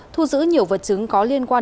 thu giữ nhiều vật chứng có liên quan